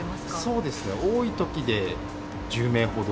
そうですね、多いときで１０名ほど。